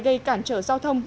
gây cản trở giao thông